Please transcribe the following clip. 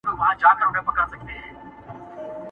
پولادي قوي منګول تېره مشوکه -